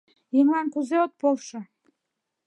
Еҥлан кузе от полшо?